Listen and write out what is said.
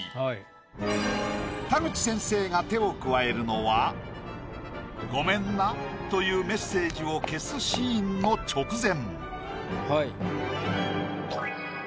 田口先生が手を加えるのは「ごめんな」というメッセージを消すシーンの直前。